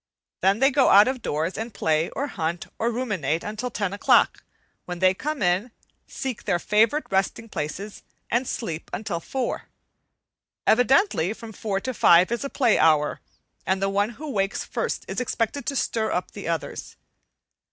Then they go out of doors and play, or hunt, or ruminate until ten o'clock, when they come in, seek their favorite resting places, and sleep until four. Evidently, from four to five is a play hour, and the one who wakes first is expected to stir up the others.